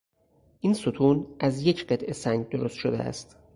این ستون از یک قطعه سنگ درست شده است.